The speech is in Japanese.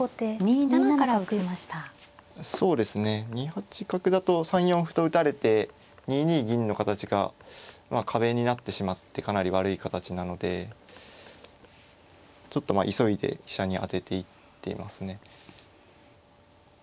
２八角だと３四歩と打たれて２二銀の形が壁になってしまってかなり悪い形なのでちょっとまあ急いで飛車に当てていっていますね。